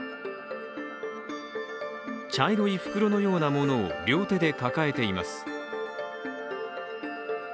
茶色い袋のようなものを両手で抱えています。